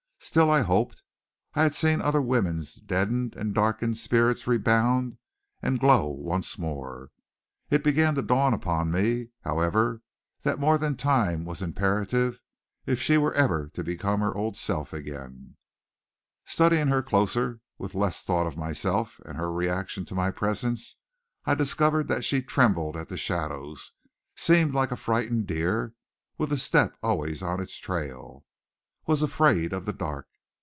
Still I hoped. I had seen other women's deadened and darkened spirits rebound and glow once more. It began to dawn upon me, however, that more than time was imperative if she were ever to become her old self again. Studying her closer, with less thought of myself and her reaction to my presence, I discovered that she trembled at shadows, seemed like a frightened deer with a step always on its trail, was afraid of the dark.